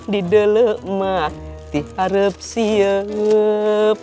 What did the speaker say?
didelemak diharap siap